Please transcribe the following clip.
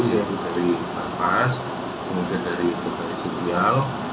yaitu dari pampas kemudian dari perubahan sosial